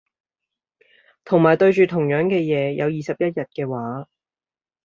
同埋對住同樣嘅嘢有二十一日嘅話